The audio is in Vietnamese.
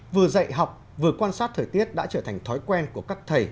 vừa dạy học vừa quan sát thời tiết đã trở thành thói quen của các thầy